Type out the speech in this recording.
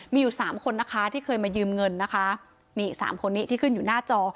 มีอยู่๓คนที่เคยมายืมเงินนี่๓คนนี้ที่ขึ้นอยู่หน้าจอ